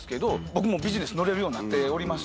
僕もビジネス乗れるようになっておりまして。